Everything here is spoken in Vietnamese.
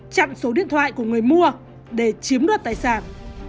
chặn số điện thoại của người mua để chiếm đoạt tài sản